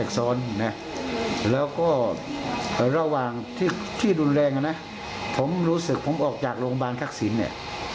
ครับแล้วก็ระหว่างที่รุนแรงเนี่ยผมออกจากโรงบาลคักศีลเนี่ย